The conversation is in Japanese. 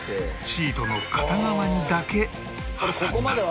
シートの片側にだけ挟みます